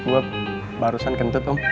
gue barusan kentut om